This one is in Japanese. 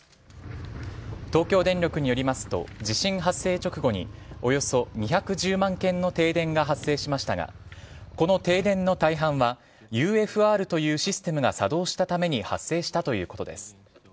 東京電力によりますと地震発生直後におよそ２１０万軒の停電が発生しましたがこの停電の大半はＵＦＲというシステムが作動したために発生したということです。